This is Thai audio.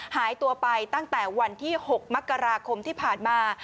หายตัวไปตั้งแต่วันที่๖มกราคมที่ผ่านมา